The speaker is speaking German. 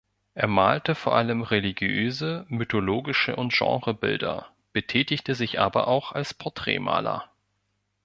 Er malte vor allem religiöse, mythologische und Genrebilder, betätigte sich aber auch als Porträtmaler.